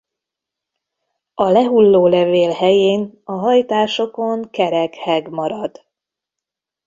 A lehulló levél helyén a hajtásokon kerek heg marad.